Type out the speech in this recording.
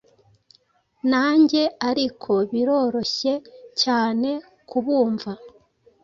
nanjye Ariko birorohye cyanekubumva